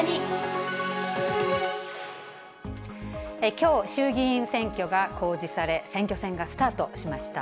きょう、衆議院選挙が公示され、選挙戦がスタートしました。